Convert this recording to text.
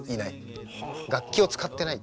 楽器を使ってない。